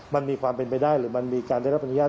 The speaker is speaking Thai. มันมีความเป็นไปได้หรือมันมีการได้รับอนุญาต